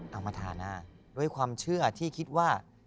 มาทาหน้าด้วยความเชื่อที่คิดว่า